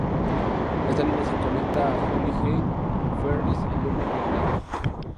Esta línea se conecta a Holyhead Ferries en Dublín, Irlanda.